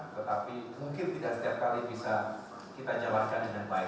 tetapi mungkin tidak setiap kali bisa kita jalankan dengan baik